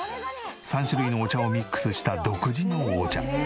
３種類のお茶をミックスした独自のお茶。